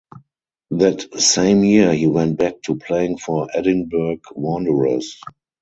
That same year he went back to playing for Edinburgh Wanderers.